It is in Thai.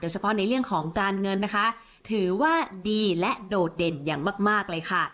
เฉพาะในเรื่องของการเงินนะคะถือว่าดีและโดดเด่นอย่างมากเลยค่ะ